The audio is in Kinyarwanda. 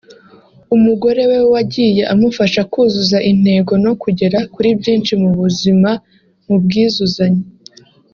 umugore we wagiye amufasha kuzuza intego no kugera kuri byinshi mu buzima mu bwizuzanye